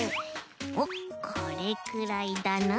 おっこれくらいだな。